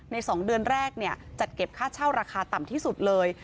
๒เดือนแรกจัดเก็บค่าเช่าราคาต่ำที่สุดเลย